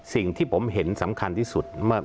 สิ่งที่ผมเห็นสำคัญที่สุดเมื่อ